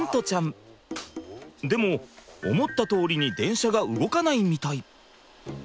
でも思ったとおりに電車が動かないみたい。